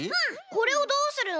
これをどうするの？